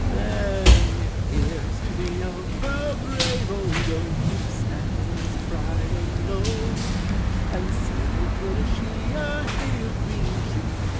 Then here \s to the oak, the brave <>t<i oak, Who stands in his pride alone; And still flourish he, a hale green tret